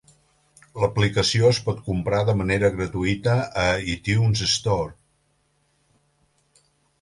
L'aplicació es pot comprar de manera gratuïta a iTunes Store.